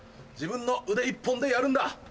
自分の腕一本でやるんだ。